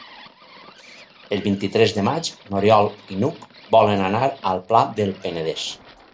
El vint-i-tres de maig n'Oriol i n'Hug volen anar al Pla del Penedès.